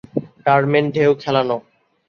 Term end ঢেউ খেলানো।